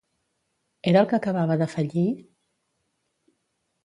Era el que acabava de fallir?